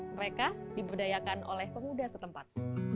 mereka diberdayakan oleh pemuda setempat